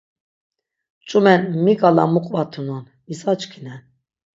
Ç̌umen mi k̆ala mu qvatunon, mis açkinen?